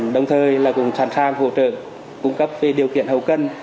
đồng thời là cũng sẵn sàng hỗ trợ cung cấp về điều kiện hậu cân